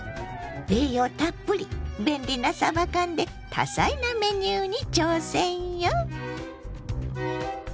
栄養たっぷり便利なさば缶で多彩なメニューに挑戦よ！